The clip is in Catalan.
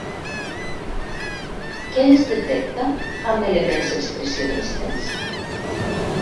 Què es detecta amb elements expressionistes?